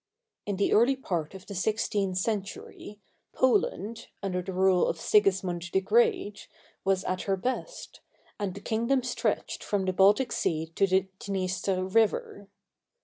In the early part of the sixteenth century, Poland, under the rule of Sigismund the Great, was at her best, and the kingdom stretched from the Baltic Sea to the Dniester River.